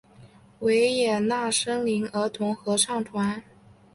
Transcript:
维也纳森林儿童合唱团。